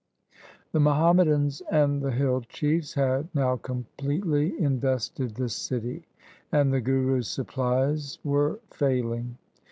The Muhammadans and the hill chiefs had now completely invested the city, and the Guru's supplies were failing.